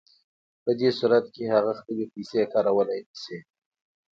په دې صورت کې هغه خپلې پیسې کارولی نشي